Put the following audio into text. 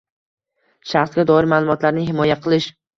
Shaxsga doir ma’lumotlarni himoya qilish